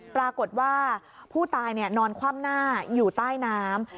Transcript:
ปรากฏว่าผู้ตายนอนคว่ำหน้าอยู่ใต้น้ำ